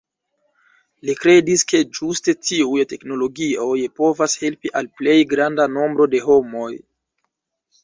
Li kredis, ke ĝuste tiuj teknologioj povas helpi al plej granda nombro de homoj.